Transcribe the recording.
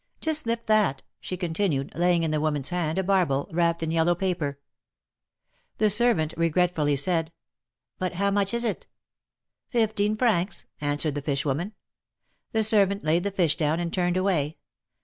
Just lift that," she continued, laying in the woman's hand a barbel, wrapped in yellow paper. The servant regretfully said :" But how much is it ?"" Fifteen francs," answered the fish woman. The servant laid the fish down, and turned away.